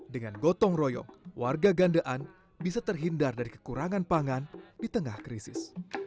dengan gotong royong warga gandean bisa terhindar dari kekurangan pangan di tengah krisis